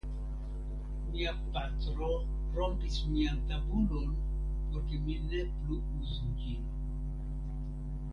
Mia patro rompis mian tabulon por ke mi ne plu uzu ĝin.